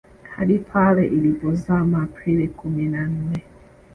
Hadi pale ilipozama Aprili kumi na nne